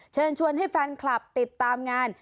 เชิญชวนให้แฟนคลับติดตามงาน